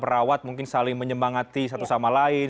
perawat mungkin saling menyemangati satu sama lain